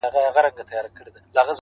ستا د پښو ترپ ته هركلى كومه،